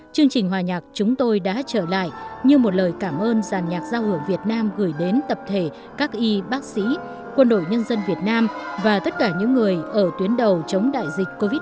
chương trình hòa nhạc chúng tôi đã trở lại như một lời cảm ơn giàn nhạc giao hưởng việt nam gửi đến tập thể các y bác sĩ quân đội nhân dân việt nam và tất cả những người ở tuyến đầu chống đại dịch covid một mươi chín